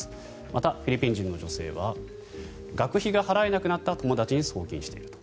また、フィリピン人の女性は学費が払えなくなった友達に送金していると。